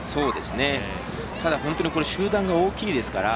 本当に集団が大きいですから。